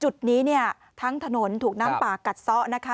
จุดนี้เนี่ยทั้งถนนถูกน้ำป่ากัดซะนะคะ